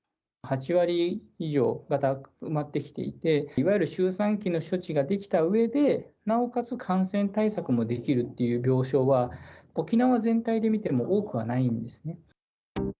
８割以上が埋まってきていて、いわゆる周産期の処置ができたうえで、なおかつ感染対策もできるっていう病床は、沖縄全体で見ても多くはないんですね。